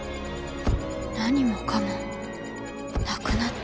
何もかもなくなっていく。